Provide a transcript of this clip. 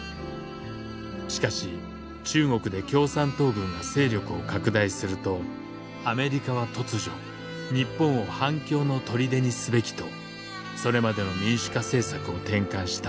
しかし中国で共産党軍が勢力を拡大するとアメリカは突如日本を反共の砦にすべきとそれまでの民主化政策を転換した。